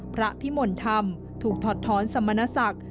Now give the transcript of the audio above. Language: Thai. พระพิมลธรรมถูกถอดท้อนสมณศักดิ์